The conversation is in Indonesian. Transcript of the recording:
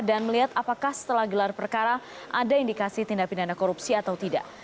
dan melihat apakah setelah gelar perkara ada indikasi tindak pindah korupsi atau tidak